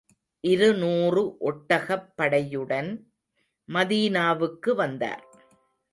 இருநூறு ஒட்டகப் படையுடன் மதீனாவுக்கு வந்தார்.